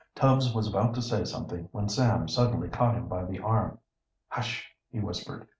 Tubbs was about to say something, when Sam suddenly caught him by the arm. "Hush!" he whispered.